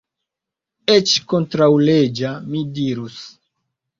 Eĉ kontraŭleĝa, mi dirus.